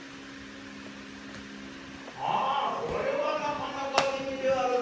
「あこれはなかなか美味であるな。